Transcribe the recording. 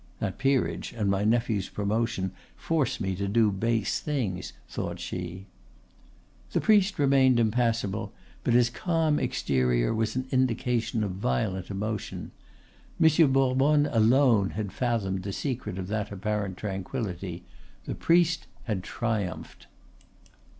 ("That peerage and my nephew's promotion force me to do base things," thought she.) The priest remained impassible, but his calm exterior was an indication of violent emotion. Monsieur Bourbonne alone had fathomed the secret of that apparent tranquillity. The priest had triumphed!